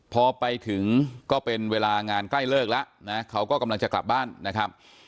พอไปถึงก็เป็นเวลางานใกล้เลิกแล้วนะเขาก็กำลังจะกลับบ้านนะครับ